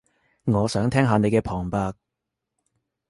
我想聽下你嘅旁白